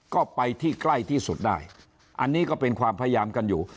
ก็ไปที่ใกล้ที่สุดได้อันนี้ก็เป็นความพยายามกันอยู่